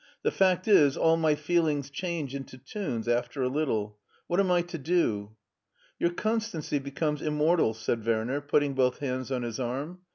*' The fact is, all my feelings change into tunes after a little. What am I to do?" Your constancy becomes immortal," said Werner, putting both hands on his arm.